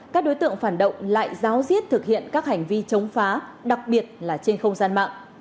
các đối tượng phản động lại giáo diết thực hiện các hành vi chống phá đặc biệt là trên không gian mạng